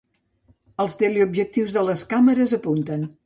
els teleobjectius de les càmeres apunten